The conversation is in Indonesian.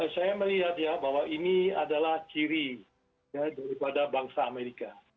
saya melihatnya bahwa ini adalah ciri daripada bangsa amerika